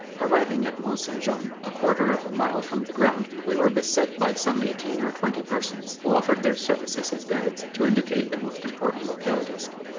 Arriving at Mont Saint Jean, a quarter of a mile from the ground, we were beset by some eighteen or twenty persons, who offered their services as guides, to indicate the most important localities.